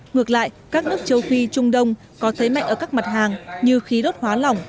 ngược lại các nước châu phi trung đông có thế mạnh ở các mặt hàng như khí đốt hóa lỏng